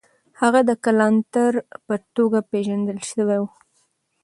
هغه د کلانتر په توګه پېژندل سوی و.